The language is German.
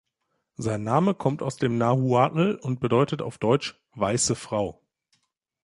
Sein Name kommt aus dem Nahuatl und bedeutet auf Deutsch „Weiße Frau“.